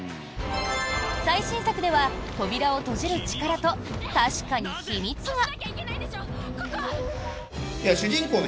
最新作では、扉を閉じる力と確かに秘密が！